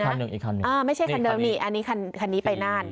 คันหนึ่งอีกคันหนึ่งอ่าไม่ใช่คันเดิมนี่อันนี้คันคันนี้ไปนาน